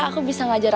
aku bisa ngajar